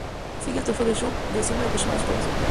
Según el trofeo de Super Smash Bros.